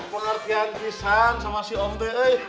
pengertian kisah sama si om teh eh